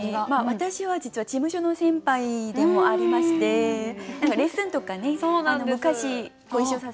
私は実は事務所の先輩でもありましてレッスンとかね昔ご一緒させて頂いたりとかしてました。